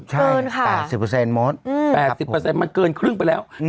ใช่ค่ะ๘๐หมดอืม๘๐มันเกินครึ่งไปแล้วอืม